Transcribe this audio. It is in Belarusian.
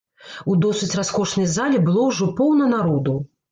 У досыць раскошнай зале было ўжо поўна народу.